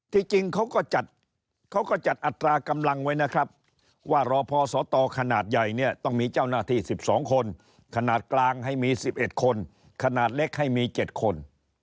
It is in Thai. จริงเขาก็จัดเขาก็จัดอัตรากำลังไว้นะครับว่ารอพอสตขนาดใหญ่เนี่ยต้องมีเจ้าหน้าที่๑๒คนขนาดกลางให้มี๑๑คนขนาดเล็กให้มี๗คน